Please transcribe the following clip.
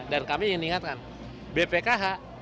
dan kami ingin ingatkan bpkh